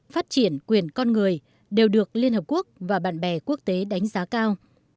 phát triển quyền con người đều được liên hợp quốc và bạn bè quốc tế đánh giá cao